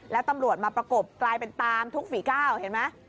แล้วตำรวจมาประกบกลายเป็นตามทุกฝีก้าวเห็นไหม